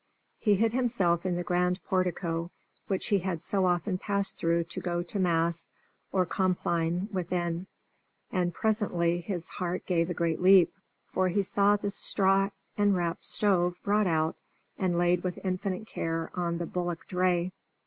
He hid himself in the grand portico, which he had so often passed through to go to mass or compline within, and presently his heart gave a great leap, for he saw the straw enwrapped stove brought out and laid with infinite care on the bullock dray.